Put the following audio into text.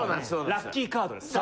ラッキーカードが。